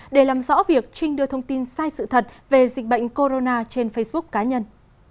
để làm rõ việc trinh đưa thông tin sai sự thật về dịch bệnh corona trên facebook cá nhân